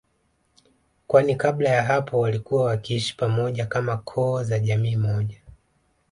kwani kabla ya hapo walikuwa wakiishi pamoja kama koo za jamii moja